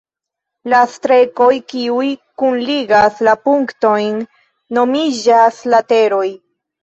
La strekoj, kiuj kunligas la punktojn, nomiĝas lateroj.